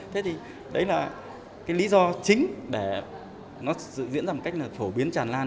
thế thì đấy là cái lý do chính để nó diễn ra một cách là phổ biến tràn lan